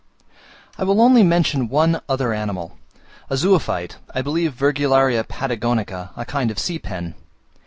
I will only mention one other animal, a zoophyte (I believe Virgularia Patagonica), a kind of sea pen.